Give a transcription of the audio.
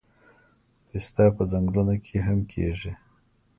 پسته په ځنګلونو کې هم کیږي